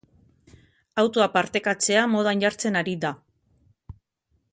Autoa partekatzea modan jartzen ari da.